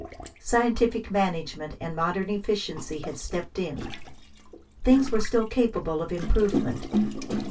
Scientific management and modern efficiency had stepped in. Things were still capable of improvement.